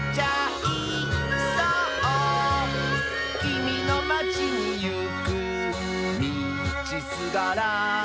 「きみのまちにいくみちすがら」